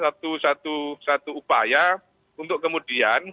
jadi ini memang satu satu upaya untuk kemudian